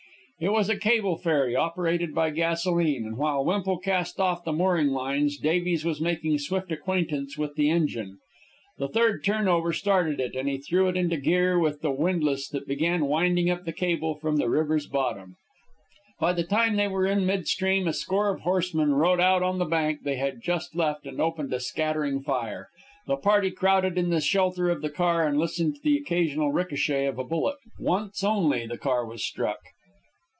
It was a cable ferry, operated by gasoline, and, while Wemple cast off the mooring lines, Davies was making swift acquaintance with the engine. The third turn over started it, and he threw it into gear with the windlass that began winding up the cable from the river's bottom. By the time they were in midstream a score of horsemen rode out on the bank they had just left and opened a scattering fire. The party crowded in the shelter of the car and listened to the occasional richochet of a bullet. Once, only, the car was struck.